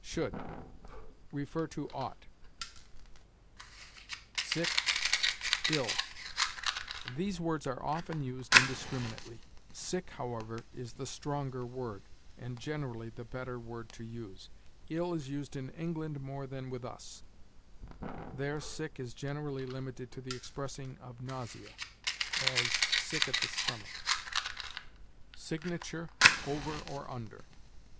SHOULD. See OUGHT. SICK ILL. These words are often used indiscriminately. Sick, however, is the stronger word, and generally the better word to use. Ill is used in England more than with us: there sick is generally limited to the expressing of nausea; as, "sick at the stomach." SIGNATURE, OVER OR UNDER?